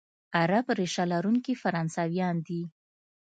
عرب ریشه لرونکي فرانسویان دي،